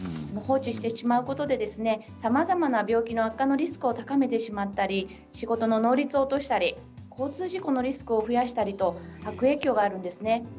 放置してしまうことでさまざまな病気の悪化のリスクを高めてしまったり仕事の能率を落としたり交通事故のリスクを増やしたりと悪影響があるんですね。